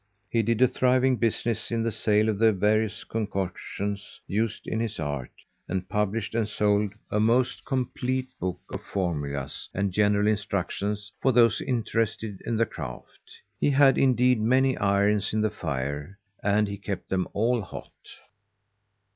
He did a thriving business in the sale of the various concoctions used in his art, and published and sold a most complete book of formulas and general instructions for those interested in the craft. He had, indeed, many irons in the fire, and he kept them all hot.